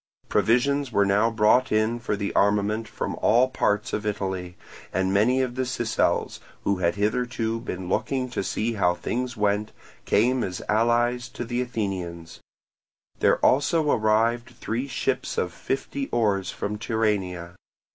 Provisions were now brought in for the armament from all parts of Italy; and many of the Sicels, who had hitherto been looking to see how things went, came as allies to the Athenians: there also arrived three ships of fifty oars from Tyrrhenia.